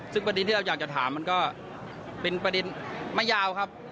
ซึ่งประเด็นที่เราอยากจะถามมันก็เป็นประเด็นไม่ยาวครับ